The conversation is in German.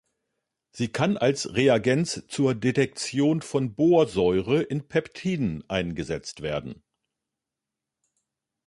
Sie kann als Reagens zur Detektion von Borsäure in Peptiden eingesetzt werden.